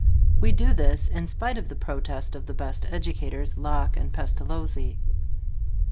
We do this in spite of the protest of the best educators, Locke and Pestalozzi.